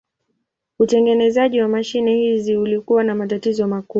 Utengenezaji wa mashine hizi ulikuwa na matatizo makubwa.